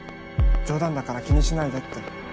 冗談だから気にしないでって。